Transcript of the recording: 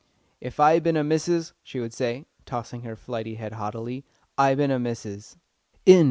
"If I bin a missis," she would say, tossing her flighty head haughtily, "I bin a missis." CHAPTER II.